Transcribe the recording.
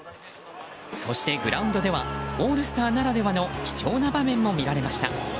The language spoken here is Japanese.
そして、グラウンドではオールスターならではの貴重な場面も見られました。